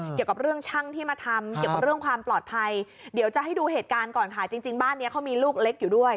เกี่ยวกับเรื่องช่างที่มาทำเกี่ยวกับเรื่องความปลอดภัยเดี๋ยวจะให้ดูเหตุการณ์ก่อนค่ะจริงจริงบ้านนี้เขามีลูกเล็กอยู่ด้วย